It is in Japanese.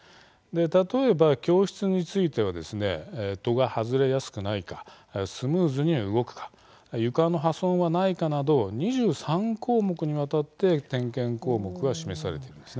例えば、教室については戸が外れやすくないかスムーズに動くか床の破損はないかなと２３項目にわたって点検項目が示されているんです。